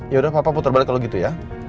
yaudah papa puter balik kalau gitu ya